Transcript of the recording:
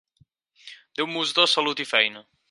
Déu mos do salut i feina.